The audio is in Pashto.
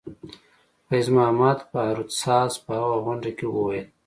فیض محمدباروت ساز په هغه غونډه کې وویل.